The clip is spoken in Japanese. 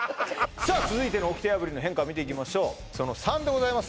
さあ続いての掟破りの変化見ていきましょうその３でございます